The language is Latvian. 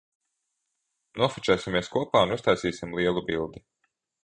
Nofočēsimies kopā un uztaisīsim lielu bildi.